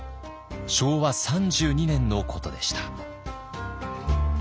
昭和３２年のことでした。